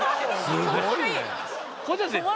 すごいね！